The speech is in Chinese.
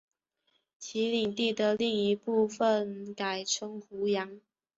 其领地的另一部分改称湖阳。